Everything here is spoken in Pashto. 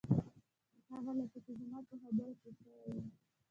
هغه لکه چې زما په خبره پوی شوی و.